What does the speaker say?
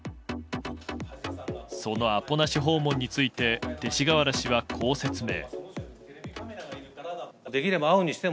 そのアポなし訪問について勅使河原氏は、こう説明。